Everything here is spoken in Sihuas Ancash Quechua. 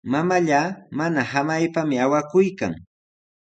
Mamallaa mana samaypami awakuykan.